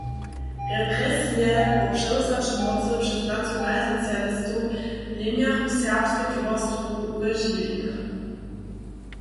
Represije po přewzaću mocy přez nacionalsocialistow lemjachu serbske towarstwowe žiwjenje.